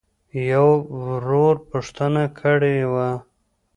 يــوه ورورپوښـتـنــه کــړېــوه.؟